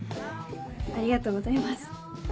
ありがとうございます。